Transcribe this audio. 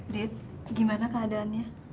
dit gimana keadaannya